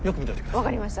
わかりました。